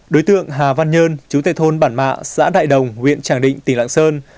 đối tượng hà văn nhơn chú tệ thôn bản mạ xã đại đồng huyện tràng định tỉnh lạng sơn